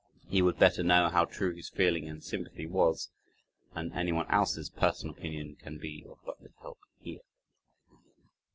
He would better know how true his feeling and sympathy was, and anyone else's personal opinion can be of but little help here.